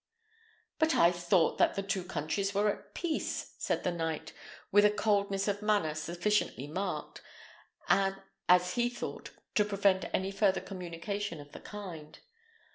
"But I thought that the two countries were at peace," said the knight, with a coldness of manner sufficiently marked, as he thought, to prevent any further communication of the kind.